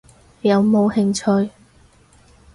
有冇興趣？